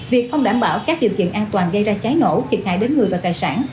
việc không đảm bảo các điều kiện an toàn gây ra cháy nổ thiệt hại đến người và tài sản